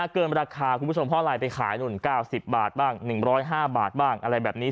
เกินราคาคุณผู้ชมเพราะอะไรไปขายนู่น๙๐บาทบ้าง๑๐๕บาทบ้างอะไรแบบนี้